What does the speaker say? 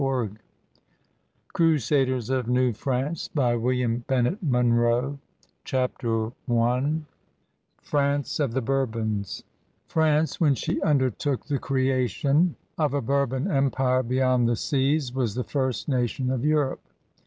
iS« / CRUSADERS OF NEW FRANCE •• CHAPTER I FRANCE OF THE BOX7BBONB France, when she undertook the creation of a Bourbon empire beyond the seas, was the first nation of Europe.